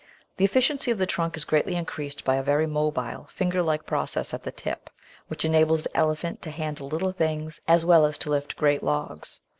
The efficiency of the trunk is greatly increased by a very mobile, finger like process at the tip, which enables the elephant to handle little things as well as to lift great logs.